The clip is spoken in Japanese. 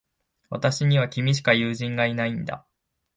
私には、君しか友人がいないんだ。